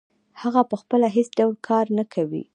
هغه پخپله هېڅ ډول کار نه کوي